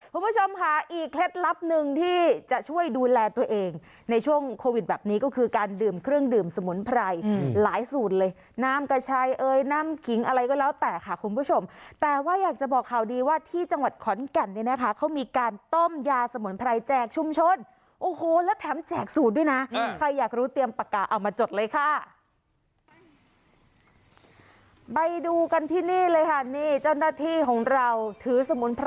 คุณผู้ชมค่ะอีกเคล็ดลับหนึ่งที่จะช่วยดูแลตัวเองในช่วงโควิดแบบนี้ก็คือการดื่มเครื่องดื่มสมุนไพรหลายสูตรเลยน้ำกระชัยเอยน้ำขิงอะไรก็แล้วแต่ค่ะคุณผู้ชมแต่ว่าอยากจะบอกข่าวดีว่าที่จังหวัดขอนแก่นเนี่ยนะคะเขามีการต้มยาสมุนไพรแจกชุมชนโอ้โหแล้วแถมแจกสูตรด้วยนะใครอยากรู้เตรียมปากกาเอามาจดเลยค่ะนี่เจ้าหน้าที่ของเราถือสมุนไพร